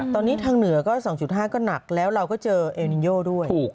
ตอนนี้ทางเหนือก็๒๕ก็หนักแล้วเราก็เจอเอลนินโยด้วย